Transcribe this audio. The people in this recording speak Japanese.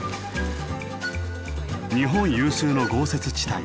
日本有数の豪雪地帯